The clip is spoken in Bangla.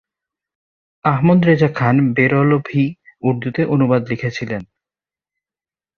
আহমদ রেজা খান বেরলভী উর্দুতে অনুবাদ লিখেছিলেন।